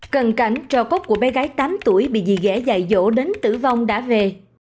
cần cảnh trò cốt của bé gái tám tuổi bị dì ghẻ dài dỗ đến tử vong đã về